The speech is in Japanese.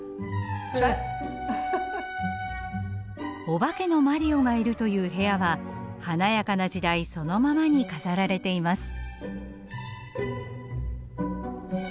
お化けのマリオがいるという部屋は華やかな時代そのままに飾られています。